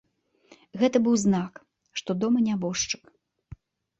Гэта быў знак, што дома нябожчык.